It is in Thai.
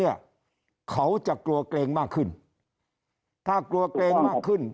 มีการสำนวนข้อมูล